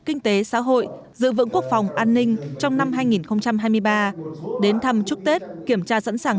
kinh tế xã hội giữ vững quốc phòng an ninh trong năm hai nghìn hai mươi ba đến thăm chúc tết kiểm tra sẵn sàng